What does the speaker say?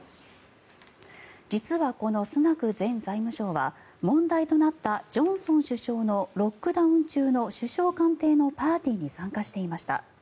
実はこのスナク前財務相は問題となった、ジョンソン首相のロックダウン中の首相官邸のパーティーに参加していました。